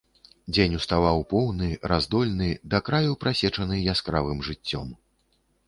Дзень уставаў поўны, раздольны, да краю прасечаны яскравым жыццём.